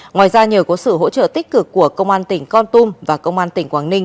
ngoài ra nhờ có sự hỗ trợ tích cực của công an tỉnh con tum và công an tỉnh quảng ninh